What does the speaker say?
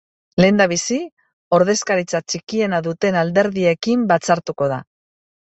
Lehendabizi, ordezkaritza txikiena duten alderdiekin batzartuko da.